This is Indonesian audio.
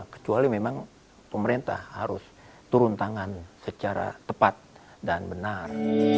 kecuali memang pemerintah harus turun tangan secara tepat dan benar